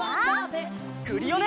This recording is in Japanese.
クリオネ！